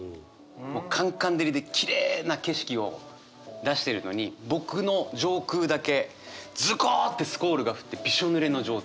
もうカンカン照りできれいな景色を出してるのに僕の上空だけズコってスコールが降ってびしょぬれの状態。